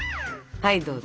はいどうぞ。